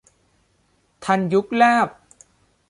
ทันยุคแลบ